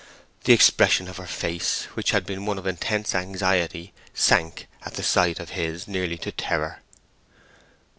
The expression of her face, which had been one of intense anxiety, sank at the sight of his nearly to terror.